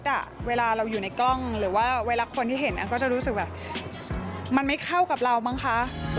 แต่ว่าเวลาคนที่เห็นก็จะรู้สึกว่ามันไม่เข้ากับเราบ้างค่ะ